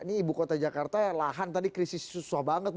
ini ibu kota jakarta ya lahan tadi krisis susah banget